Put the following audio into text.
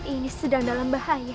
dari zooming in di damai sangat